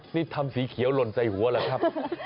นี่ทำสีเขียวหล่นใส่หัวเหรอครับ